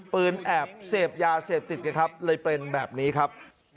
แอบเสพยาเสพติดไงครับเลยเป็นแบบนี้ครับ